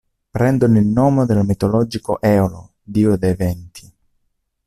Prendono il nome dal mitologico Eolo, dio dei venti.